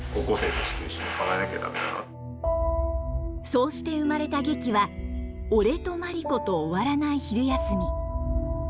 そうして生まれた劇は「俺とマリコと終わらない昼休み」。